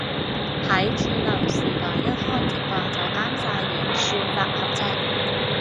喺串流時代一開直播就啱晒演算法合尺